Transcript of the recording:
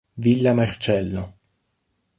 Villa Marcello